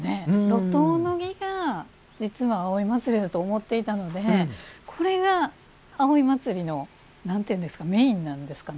路頭の儀が実は、葵祭だと思っていたのでこれが葵祭の何というんですかメインなんですかね。